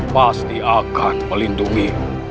pasti akan melindungi